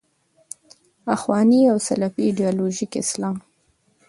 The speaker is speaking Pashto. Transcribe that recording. اخواني او سلفي ایدیالوژیک اسلام.